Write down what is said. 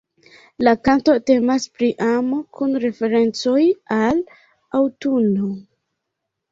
La kanto temas pri amo, kun referencoj al aŭtuno.